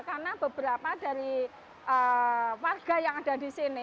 karena beberapa dari warga yang ada di sini